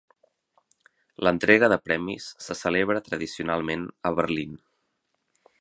L'entrega de premis se celebra tradicionalment a Berlín.